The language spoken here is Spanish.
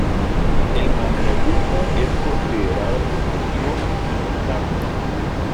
El manierismo es considerado subjetivo, inestable.